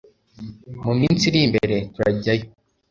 mu minsi iri imbere turajyayo.